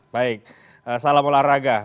baik salam olahraga